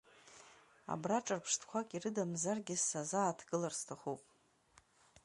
Абра ҿырԥштәқәак ирыдамзаргьы сырзааҭгылар сҭахуп.